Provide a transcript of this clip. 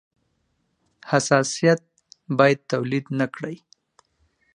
حساسیت باید تولید نه کړي.